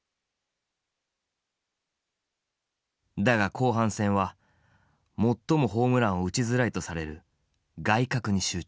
だが後半戦は最もホームランを打ちづらいとされる外角に集中。